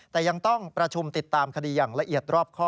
แต่ยังต้องประชุมติดตามคดีอย่างละเอียดรอบข้อ